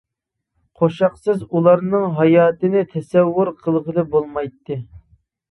قوشاقسىز ئۇلارنىڭ ھاياتىنى تەسەۋۋۇر قىلغىلى بولمايتتى.